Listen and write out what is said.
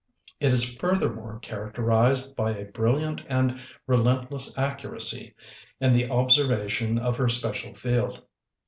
It is furthermore characterized by a brilliant and relentless accuracy in the observation of her special field.